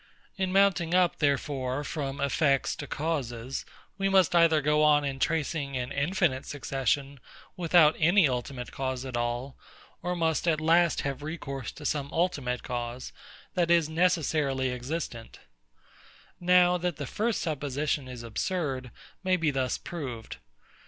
In mounting up, therefore, from effects to causes, we must either go on in tracing an infinite succession, without any ultimate cause at all; or must at last have recourse to some ultimate cause, that is necessarily existent: Now, that the first supposition is absurd, may be thus proved.